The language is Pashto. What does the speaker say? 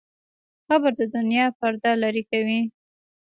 قبر د دنیا پرده لرې کوي.